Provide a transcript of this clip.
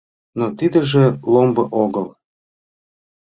Но тидыже ломбо огыл.